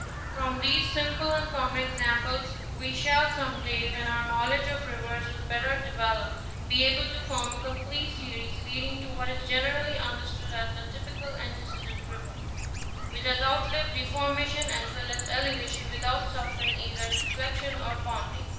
From these simple and common ex amples, we shall some day, when our knowledge of rivers is better developed, be able to form a complete series leading to what is generally understood as the typical antecedent river, which has outlived deformation as well as elevation without suffering either deflection or ponding.